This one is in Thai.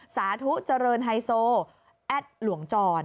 สาธุเจริญไฮโซแอดหลวงจร